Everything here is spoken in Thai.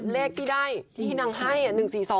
เลขที่ได้ที่นางให้๑๔๒